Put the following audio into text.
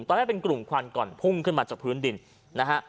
แรกเป็นกลุ่มควันก่อนพุ่งขึ้นมาจากพื้นดินนะฮะ